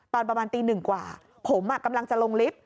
ตอนประมาณตีหนึ่งกว่าผมกำลังจะลงลิฟต์